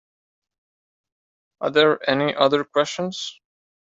Are there any other questions?